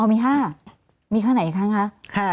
อ๋อมี๕ครั้งมีครั้งไหนอีกครั้งครับ